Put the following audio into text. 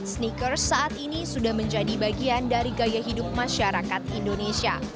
sneakers saat ini sudah menjadi bagian dari gaya hidup masyarakat indonesia